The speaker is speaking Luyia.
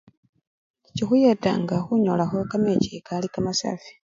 Chikhuyetanga khunyolakho kamechi kali kamasafi.